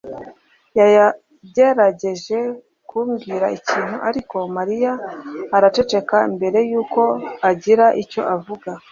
yagerageje kumbwira ikintu, ariko Mariya araceceka mbere yuko agira icyo avuga.